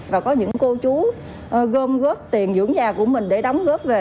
và có những cô chú gom góp tiền dưỡng nhà của mình để đóng góp về